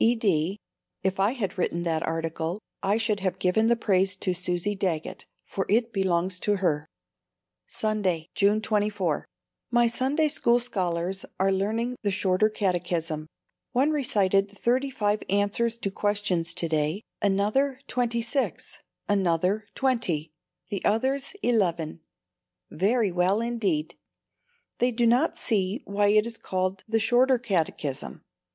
E. D. If I had written that article, I should have given the praise to Susie Daggett, for it belongs to her. Sunday, June 24. My Sunday School scholars are learning the shorter catechism. One recited thirty five answers to questions to day, another twenty six, another twenty, the others eleven. Very well indeed. They do not see why it is called the "shorter" Catechism!